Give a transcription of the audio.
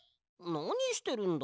なにしてるんだ？